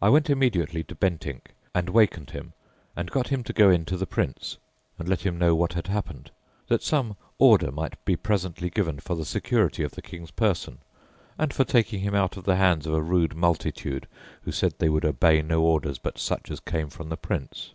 I went immediately to Bentinck and wakened him, and got him to go in to the Prince, and let him know what had happened, that some order might be presently given for the security of the King's person, and for taking him out of the hands of a rude multitude who said they would obey no orders but such as came from the Prince."